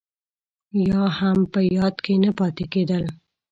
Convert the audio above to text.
يا هم په ياد کې نه پاتې کېدل.